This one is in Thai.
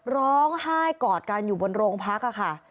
ร้องไห้กอดกันอยู่บนโรงพักค่ะ